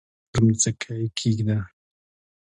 پر مځکه یې کښېږده!